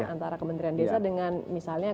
antara kementerian desa dengan misalnya